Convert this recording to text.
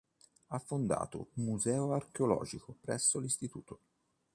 Ha fondato un museo archeologico presso l'istituto.